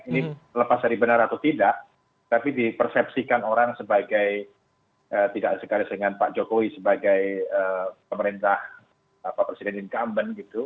ini lepas dari benar atau tidak tapi dipersepsikan orang sebagai tidak segaris dengan pak jokowi sebagai pemerintah presiden incumbent gitu